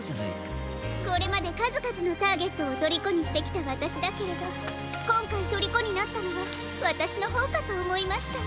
これまでかずかずのターゲットをとりこにしてきたわたしだけれどこんかいとりこになったのはわたしのほうかとおもいましたの。